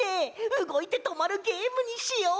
うごいてとまるゲームにしよう。